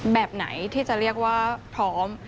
แบบไหนที่จะเรียกว่าพร้อม